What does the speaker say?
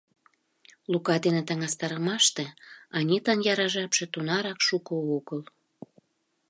Лука дене таҥастарымаште Анитан яра жапше тунарак шуко огыл.